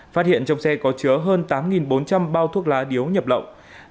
phát hiện trong xe có chứa hơn tám bốn trăm linh bao thuốc lá điếu nhập lậu